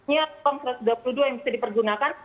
satu ratus dua puluh dua yang bisa dipergunakan